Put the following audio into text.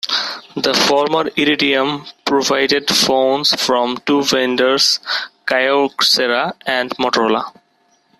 The former Iridium provided phones from two vendors, Kyocera and Motorola.